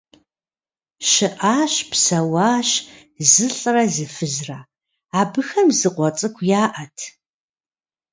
ЩыӀащ-псэуащ зылӀрэ зы фызрэ. Абыхэм зы къуэ цӀыкӀу яӀэт.